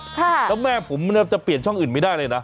แล้วแม่ผมจะเปลี่ยนช่องอื่นไม่ได้เลยนะ